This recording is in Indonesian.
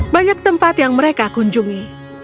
banyak tempat yang mereka kunjungi